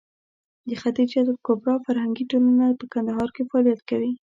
د خدېجه الکبرا فرهنګي ټولنه په کندهار کې فعالیت کوي.